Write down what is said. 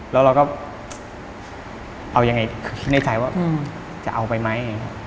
แล้วเราก็เอายังไงในใจว่าจะเอาไปไหม